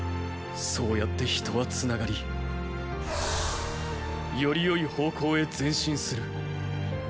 そうやって人はつながりよりよい方向へ前進する。